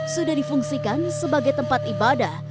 sudah difungsikan sebagai tempat ibadah